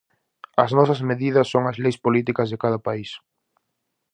As nosas medidas son as leis políticas de cada país.